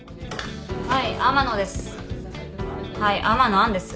はい天野です。